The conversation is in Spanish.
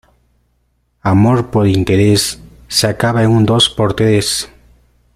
Amor por interés, se acaba en un dos por tres.